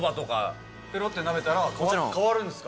ペロって舐めたら変わるんですか。